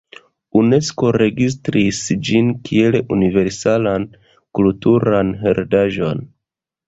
Unesko registris ĝin kiel universalan kulturan heredaĵon.